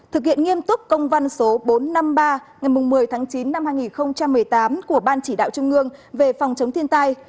thực hiện nghiêm túc công văn số bốn trăm năm mươi ba ngày một mươi tháng chín năm hai nghìn một mươi tám của ban chỉ đạo trung ương về phòng chống thiên tai